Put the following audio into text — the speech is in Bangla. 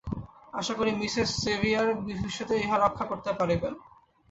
আশা করি মিসেস সেভিয়ার ভবিষ্যতে ইহা রক্ষা করতে পারবেন।